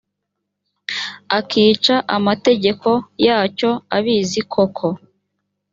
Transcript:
akica amategeko yacyo abizi koko